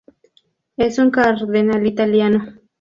Es un cardenal italiano.